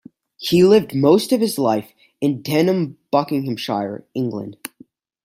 He lived most of his life in Denham, Buckinghamshire, England.